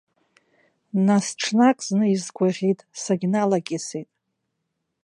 Нас ҽнак зны изгәаӷьит, сагьналакьысит.